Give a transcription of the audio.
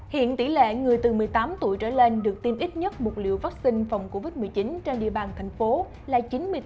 hiện tỷ lệ người từ một mươi tám tuổi trở lên được tiêm ít nhất một liều vaccine phòng covid một mươi chín trên địa bàn thành phố là chín mươi bốn